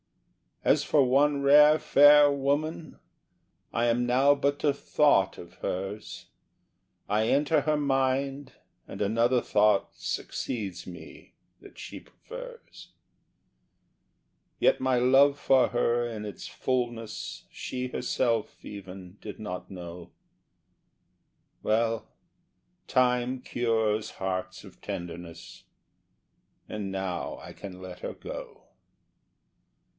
As for one rare fair woman, I am now but a thought of hers, I enter her mind and another thought succeeds me that she prefers; Yet my love for her in its fulness she herself even did not know; Well, time cures hearts of tenderness, and now I can let her go.